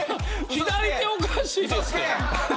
左手、おかしいですって。